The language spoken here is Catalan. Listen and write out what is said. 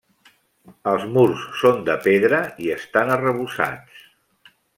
Els murs són de pedra i estan arrebossats.